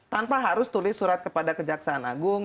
tanpa harus tulis surat kepada kejaksaan agung